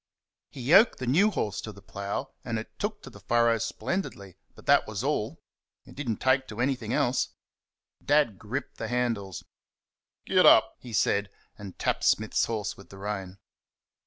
He yoked the new horse to the plough, and it took to the furrow splendidly but that was all; it did n't take to anything else. Dad gripped the handles "Git up!" he said, and tapped Smith's horse with the rein.